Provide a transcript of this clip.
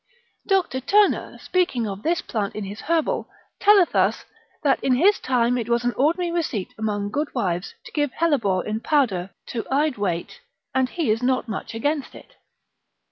Dr. Turner, speaking of this plant in his Herbal, telleth us, that in his time it was an ordinary receipt among good wives, to give hellebore in powder to ii'd weight, and he is not much against it.